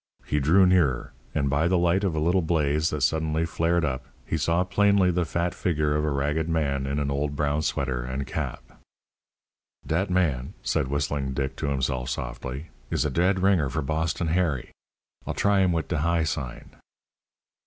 He drew nearer, and by the light of a little blaze that suddenly flared up he saw plainly the fat figure of a ragged man in an old brown sweater and cap. "Dat man," said Whistling Dick to himself softly, "is a dead ringer for Boston Harry. I'll try him wit de high sign."